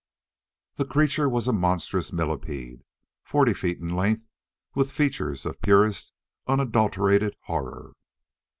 The creature was a monstrous millipede, forty feet in length, with features of purest, unadulterated horror.